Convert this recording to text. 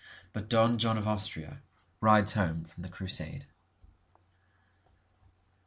…(But Don John of Austria rides home from the Crusade.)